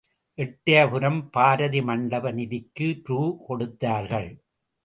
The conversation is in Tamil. எட்டயபுரம் பாரதி மண்டப நிதிக்கு ரூ. கொடுத்தார்கள்.